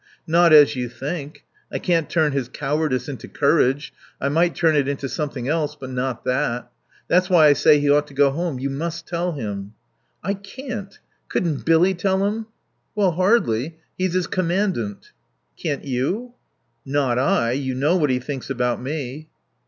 "Not as you think. I can't turn his cowardice into courage. I might turn it into something else but not that. That's why I say he ought to go home. You must tell him." "I can't. Couldn't Billy tell him?" "Well, hardly. He's his commandant." "Can't you?" "Not I. You know what he thinks about me."